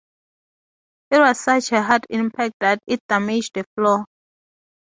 It was such a hard impact that it damaged the floor.